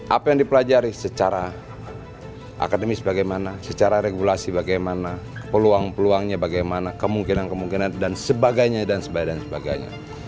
apa yang dipelajari secara akademis bagaimana secara regulasi bagaimana peluang peluangnya bagaimana kemungkinan kemungkinan dan sebagainya dan sebagainya